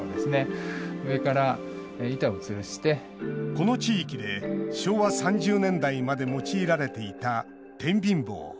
この地域で昭和３０年代まで用いられていた天秤棒。